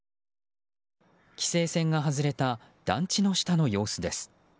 規制線が外れた団地の下の様子です。